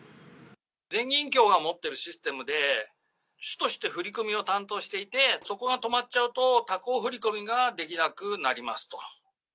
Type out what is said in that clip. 全銀協が持ってるシステムで、主として振り込みを担当していて、そこが止まっちゃうと、他行振り込みができなくなりますと。